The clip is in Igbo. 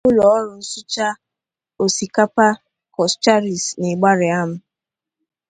Obianọ Agbapeela Ụlọ Ọrụ Nsucha Osikapa Coscharis n'Ịgbarịam